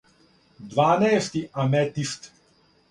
дванаести аметист.